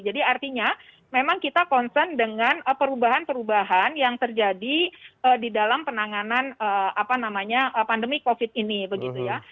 artinya memang kita concern dengan perubahan perubahan yang terjadi di dalam penanganan pandemi covid ini begitu ya